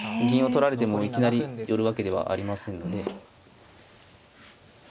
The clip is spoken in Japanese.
銀を取られてもいきなり寄るわけではありませんので。